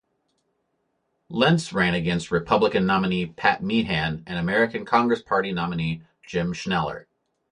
Lentz ran against Republican nominee Pat Meehan and American Congress Party nominee Jim Schneller.